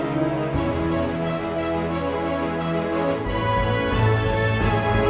maukah kamu terima lamaran saya